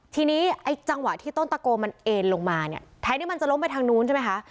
ทีนี้ไอ้จังหวะที่ต้นตะโกมันเอ็นลงมาเนี่ยแทนที่มันจะล้มไปทางนู้นใช่ไหมคะ